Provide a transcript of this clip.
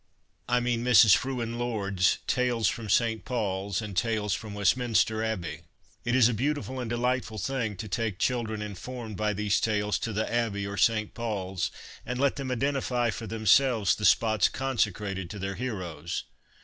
I mean Mrs Frewen Lord's Tales from St Paul's 1 and Tales from Westminster Abbey} It is a beautiful and delightful thing to take children informed by these tales to the Abbey or St Paul's, and let them identify for themselves the spots consecrated to their heroes.